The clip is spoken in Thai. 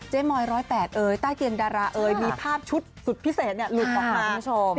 เจ๊มอย๑๐๘เอ๋ยต้ายเกียรติดาราเอ๋ยมีภาพชุดสุดพิเศษเนี่ยหลุดออกมา